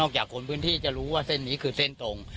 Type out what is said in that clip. จากคนพื้นที่จะรู้ว่าเส้นนี้คือเส้นตรง